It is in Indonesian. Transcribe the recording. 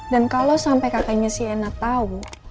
dan kalau sampai kakaknya shena tau